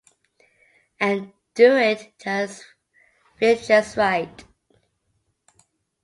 And "Do It" feels just right.